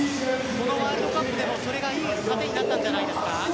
このワールドカップでもそれがいい糧になったんじゃないですか？